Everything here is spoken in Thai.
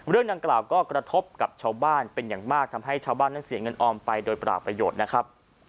เรื่องดังกล่าวก็กระทบกับชาวบ้านเป็นอย่างมากทำให้ชาวบ้านนั้นเสียเงินออมไปโดยปราบประโยชน์นะครับ